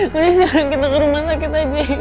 mesti sekarang kita ke rumah sakit aja yuk